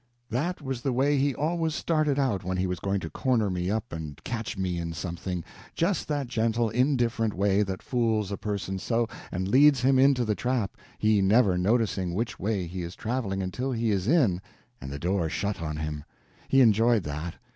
That was the way he always started out when he was going to corner me up and catch me in something—just that gentle, indifferent way that fools a person so, and leads him into the trap, he never noticing which way he is traveling until he is in and the door shut on him. He enjoyed that.